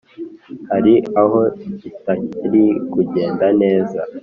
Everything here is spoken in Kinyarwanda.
hari aho bitari kugenda neza.